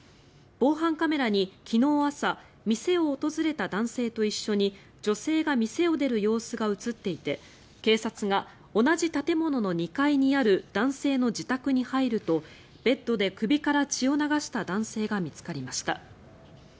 防犯カメラに昨日朝店を訪れた男性と一緒に女性が店を出る様子が映っていて警察が同じ建物の２階にある男性の自宅に入るとベッドで首から血を流した男性が見つかりました。